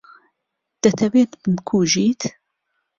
دەتەوێت بمکوژیت؟